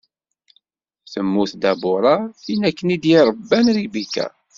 Temmut Dabuṛa, tin akken i d-iṛebban Ribika.